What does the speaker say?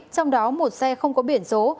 trong đó một xe không có biển số